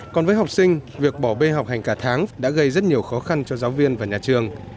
còn với học sinh việc bỏ bê học hành cả tháng đã gây rất nhiều khó khăn cho giáo viên và nhà trường